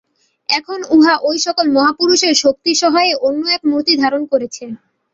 এখন উহা ঐ-সকল মহাপুরুষের শক্তিসহায়ে অন্য এক মূর্তি ধারণ করেছে।